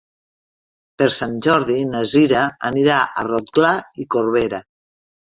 Per Sant Jordi na Cira anirà a Rotglà i Corberà.